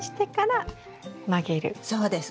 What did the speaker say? そうです。